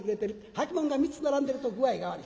履物が３つ並んでると具合が悪い。